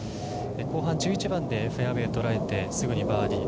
後半、１１番でフェアウエー捉えてすぐにバーディー。